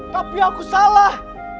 tapi aku salah